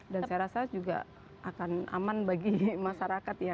dan saya rasa juga akan aman bagi masyarakat ya